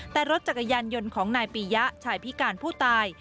แต่รถจักรยานยนต์ของนายปียะชายพิการผู้ตาย